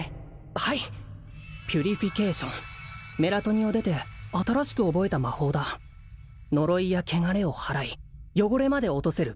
はいピュリフィケイションメラトニを出て新しく覚えた魔法だ呪いや汚れをはらい汚れまで落とせる